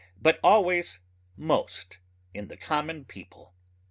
but always most in the common people.